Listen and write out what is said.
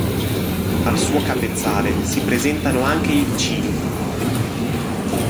Al suo capezzale si presentano anche i vicini.